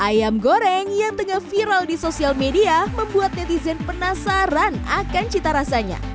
ayam goreng yang tengah viral di sosial media membuat netizen penasaran akan cita rasanya